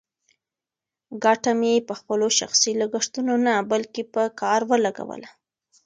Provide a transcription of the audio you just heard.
ګټه مې په خپلو شخصي لګښتونو نه، بلکې په کار ولګوله.